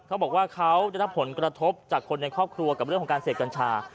เขาบอกว่าเขาได้รับผลกระทบจากคนในครอบครัวกับเรื่องของการเสพกัญชา